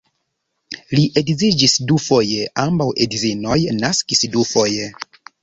Li edziĝis dufoje, ambaŭ edzinoj naskis dufoje.